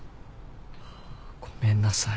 ごめんなさい。